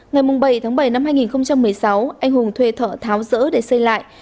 ngày bảy tháng bảy năm hai nghìn một mươi sáu anh hùng thuê thợ tháo rỡ để xây lại